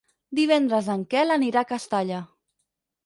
Divendres en Quel anirà a Castalla.